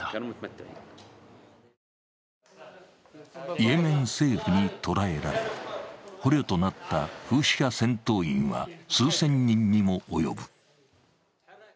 イエメン政府に捕らえられ、捕虜となったフーシ派戦闘員は数千人にも及ぶ。